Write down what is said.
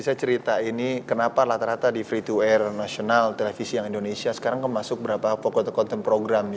saya cerita ini kenapa rata rata di free to air nasional televisi yang indonesia sekarang masuk berapa konten program